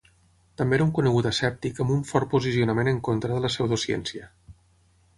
També era un conegut escèptic amb un fort posicionament en contra de la pseudociència.